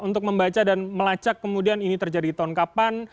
untuk membaca dan melacak kemudian ini terjadi tahun kapan